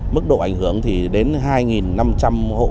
mức độ ảnh hưởng thì đến hai năm trăm linh hộ